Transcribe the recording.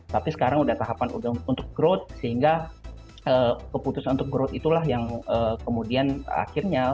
tapi sekarang udah tahapan untuk growth sehingga keputusan untuk growth itulah yang kemudian akhirnya